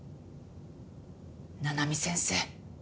七海先生